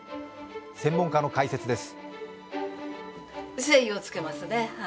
専門家の解説です。